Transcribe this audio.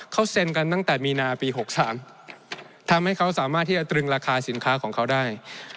เขาเซ็นกันตั้งแต่มีนาปี๖๓ทำให้เขาสามารถที่จะตรึงราคาสินค้าของเขาได้